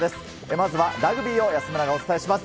まずはラグビーを安村がお伝えします。